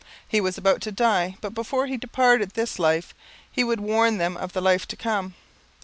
He was about to die, but before he departed this life he would warn them of the life to come.